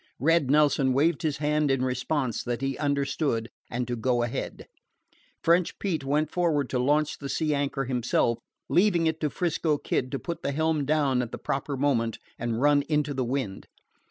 Red Nelson waved his hand in response that he understood and to go ahead. French Pete went forward to launch the sea anchor himself, leaving it to 'Frisco Kid to put the helm down at the proper moment and run into the wind.